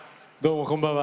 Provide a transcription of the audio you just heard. こんばんは。